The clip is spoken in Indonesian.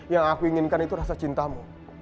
yang aku inginkan itu rasa cintamu